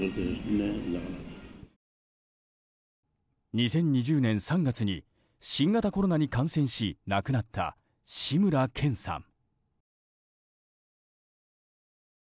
２０２０年３月に新型コロナに感染し亡くなった志村けんさん。